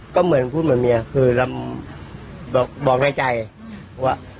ก็เหมือนพูดเหมือนเมียคือเราบอกในใจว่า